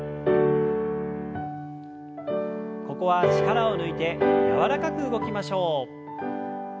ここは力を抜いて柔らかく動きましょう。